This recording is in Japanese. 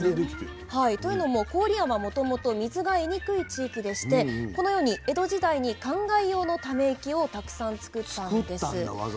というのも郡山もともと水が得にくい地域でしてこのように江戸時代にかんがい用のため池をたくさんつくったんです。